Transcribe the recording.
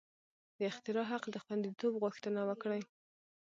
د اختراع حق د خوندیتوب غوښتنه وکړي.